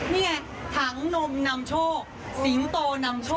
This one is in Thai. นี่ไงถังนมนำโชคสิงโตนำโชค